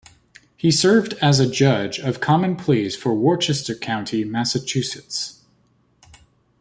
He served as a Judge of Common Pleas for Worcester County, Massachusetts.